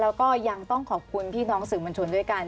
แล้วก็ยังต้องขอบคุณพี่น้องสื่อมวลชนด้วยกัน